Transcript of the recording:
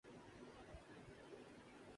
انتظامی مشینری گو زنگ آلود ہو چکی ہے۔